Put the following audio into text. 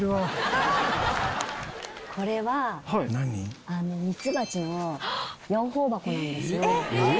これはミツバチの養蜂箱なんですよ。